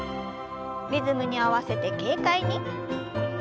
リズムに合わせて軽快に。